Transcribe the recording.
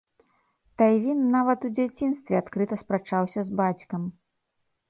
Тайвін нават у дзяцінстве адкрыта спрачаўся з бацькам.